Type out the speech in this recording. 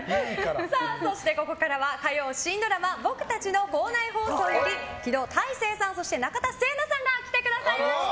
そしてここからは火曜新ドラマ「僕たちの校内放送」より木戸大聖さんそして中田青渚さんが来てくださいました。